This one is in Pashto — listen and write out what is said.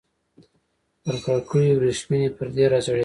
پر کړکيو ورېښمينې پردې راځړېدلې.